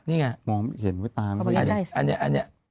นี่ไงมองเห็นไว้ตามอันเนี้ยอันเนี้ย